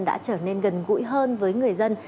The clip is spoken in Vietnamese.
đã trở nên gần gũi hơn với người dân